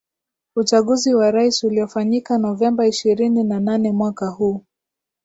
uchaguzi wa rais uliofanyika novemba ishrini na nane mwaka huu